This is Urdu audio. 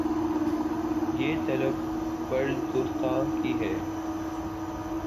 بے طلب قرض دوستاں کی طرح